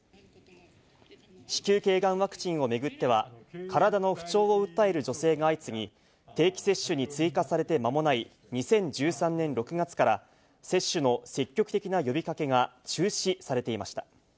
子宮けいがんワクチンを巡っては、体の不調を訴える女性が相次ぎ、定期接種に追加されて間もない２０１３年６月から、接種の積極的な呼びかけが中止されていました。